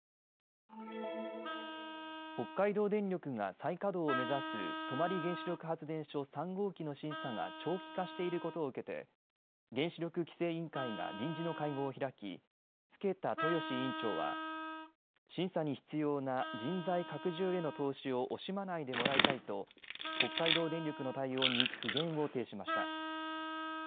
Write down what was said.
北海道電力が再稼働を目指す泊原子力発電所３号機の審査が長期化していることを受けて原子力規制委員会が臨時の会合を開き更田豊志委員長は審査に必要な人材拡充への投資を惜しまないでもらいたいと北海道電力の対応に苦言を呈しました。